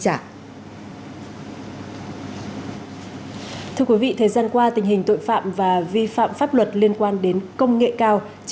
thưa quý vị thời gian qua tình hình tội phạm và vi phạm pháp luật liên quan đến công nghệ cao